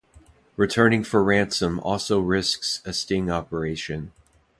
Returning for ransom also risks a sting operation.